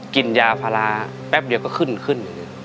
กินยาพาราแป๊บเดียวก็ขึ้นขึ้น